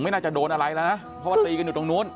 น่าจะโดนอะไรแล้วนะเพราะว่าตีกันอยู่ตรงนู้น